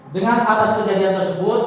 dengan atas kejadian tersebut